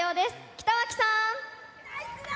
北脇さん。